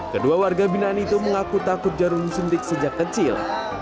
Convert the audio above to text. kedua warga binaan itu mengaku takut jarum suntik sejak kecil